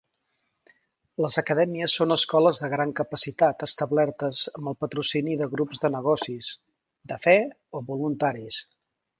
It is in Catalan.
Les acadèmies són escoles de gran capacitat establertes amb el patrocini de grups de negocis, de fe o voluntaris.